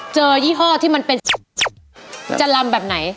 ยี่ห้อที่มันเป็นจะลำแบบไหน